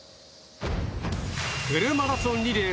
フルマラソンリレー